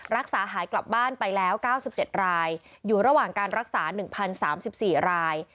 รักษาหายกลับบ้านไปแล้ว๙๗รายอยู่ระหว่างการรักษา๑๐๓๔ราย